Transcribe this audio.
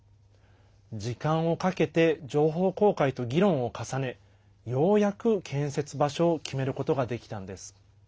時間をかけて情報公開と議論を重ねようやく建設場所を決めることができたんです。